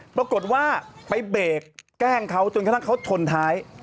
ปรากฏว่าไปเบรกแกล้งเขาจนกระทั่งเขาชนท้าย